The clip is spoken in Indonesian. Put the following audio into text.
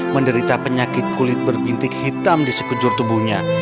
menderita penyakit kulit berpintik hitam di sekujur tubuhnya